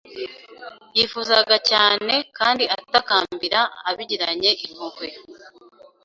yifuzaga cyane kandi atakambira abigiranye impuhwe